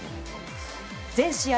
全試合